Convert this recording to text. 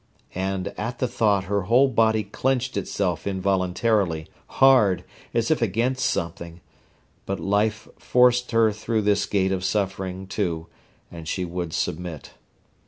And at the thought her whole body clenched itself involuntarily, hard, as if against something; but Life forced her through this gate of suffering, too, and she would submit.